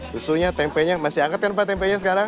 susunya tempenya masih anget kan pak tempenya sekarang